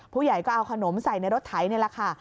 ผู้ใหญ่ก็เอาขนมใส่ในรถไถนี่แหละค่ะ